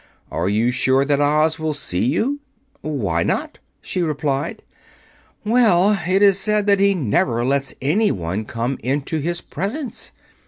"Are you sure that Oz will see you?" "Why not?" she replied. "Why, it is said that he never lets anyone come into his presence.